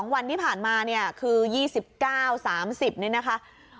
วันที่ผ่านมาเนี่ยคือ๒๙๓๐นี่นะคะ